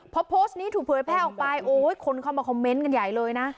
พอโพสต์นี้ถูกเผยแพร่ออกไปโอ้ยคนเข้ามาคอมเมนต์กันใหญ่เลยนะ